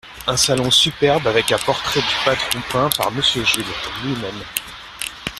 Un salon superbe, avec un portrait du patron peint par Monsieur Jules… lui-même.